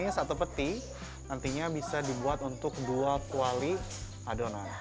ini satu peti nantinya bisa dibuat untuk dua kuali adonan